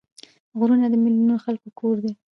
غرونه د میلیونونو خلکو کور دی